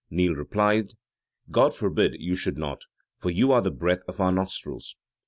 Neile replied, "God forbid you should not: for you are the breath of our nostrils."